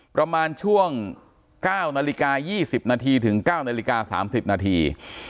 ประมาณช่วง๙นาฬิกา๒๐นาทีถึง๙นาฬิกา๓๐นาที